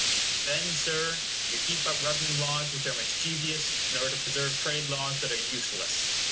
Then, Sir, you keep up revenue laws which are mischievous, in order to preserve trade laws that are useless.